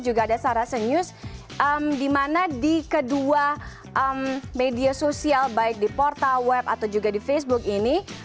juga ada sarasen news di mana di kedua media sosial baik di portal web atau juga di facebook ini